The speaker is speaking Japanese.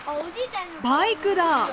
バイクだ！